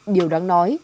điều đáng nói